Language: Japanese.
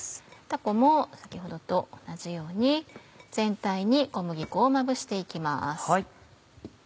たこも先ほどと同じように全体に小麦粉をまぶして行きます。